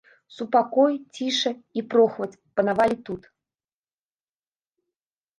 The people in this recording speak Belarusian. Супакой, ціша і прохаладзь панавалі тут.